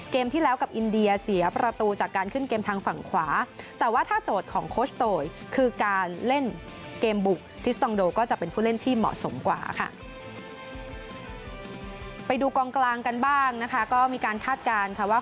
ค่ะไปดูกองกลางกันบ้างนะคะก็มีการคาดการณ์ค่ะว่า